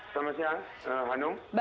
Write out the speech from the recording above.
selamat siang hanum